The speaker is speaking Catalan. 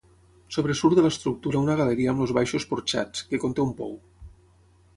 Sobresurt de l'estructura una galeria amb els baixos porxats, que conté un pou.